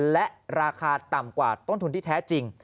และราคาต่ำกว่าต้นทุนที่แท้จริง